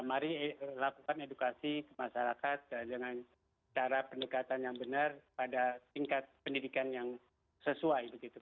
mari lakukan edukasi ke masyarakat dengan cara pendekatan yang benar pada tingkat pendidikan yang sesuai